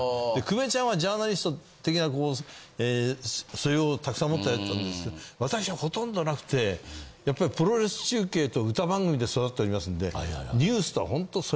久米ちゃんはジャーナリスト的なこう素養をたくさん持ってやってたんですけど私はほとんどなくてやっぱりプロレス中継と歌番組で育っておりますんで。